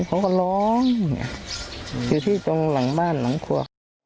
เขาก็ร้องอยู่ที่ตรงหลังบ้านหลังครัว